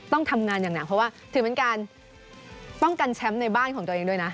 ต้องทำงานอย่างหนักเพราะว่าถือเป็นการป้องกันแชมป์ในบ้านของตัวเองด้วยนะ